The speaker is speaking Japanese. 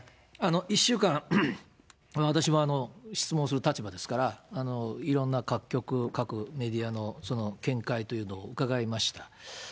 １週間、私も質問する立場ですから、いろんな各局、各メディアのその見解というのを伺いました。